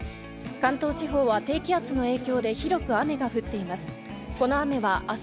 関東地方は低気圧の影響で広く雨が降っています。